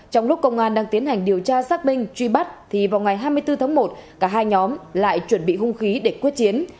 trong lúc công an đang tiến hành điều tra xác minh truy bắt thì vào ngày hai mươi bốn tháng một cả hai nhóm lại chuẩn bị hung khí để quyết chiến